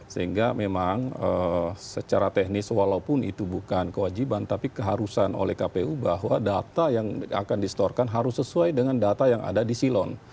sehingga memang secara teknis walaupun itu bukan kewajiban tapi keharusan oleh kpu bahwa data yang akan disetorkan harus sesuai dengan data yang ada di silon